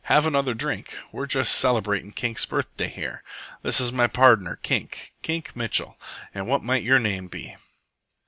"Have another drink. We're just celebratin' Kink's birthday here. This is my pardner, Kink, Kink Mitchell. An' what might your name be?"